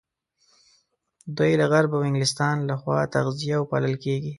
دوی له غرب او انګلستان لخوا تغذيه او پالل کېږي.